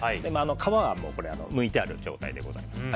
皮は剥いてある状態でございます。